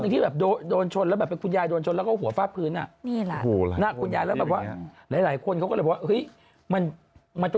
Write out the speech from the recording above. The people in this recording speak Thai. ที่โดนปรับไปหมื่นนะคุณแม่